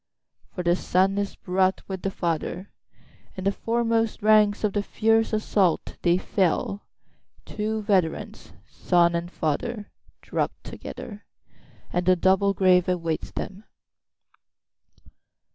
5For the son is brought with the father; In the foremost ranks of the fierce assault they fell; Two veterans, son and father, dropt together, And the double grave awaits them.